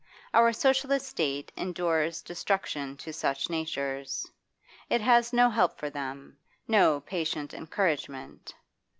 Our social state ensures destruction to such natures; it has no help for them, no patient encouragement.